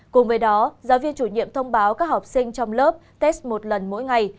cùng với đó giáo viên chủ nhiệm thông báo các học sinh trong lớp test một lần mỗi ngày